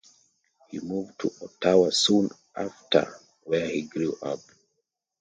He moved to Ottawa soon after where he grew up.